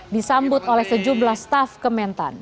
disambut oleh sejumlah staf kementan